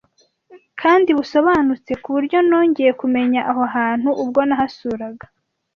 kandi busobanutse ku buryo nongeye kumenya aho hantu ubwo nahasuraga